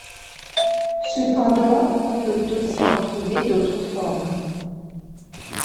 Cependant, on peut aussi en trouver d'autres formes.